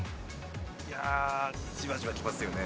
いやー、じわじわ来ますよね。